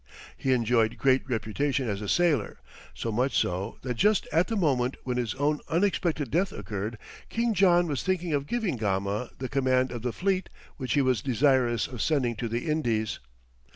He enjoyed great reputation as a sailor, so much so, that just at the moment when his own unexpected death occurred, King John was thinking of giving Gama the command of the fleet which he was desirous of sending to the Indies.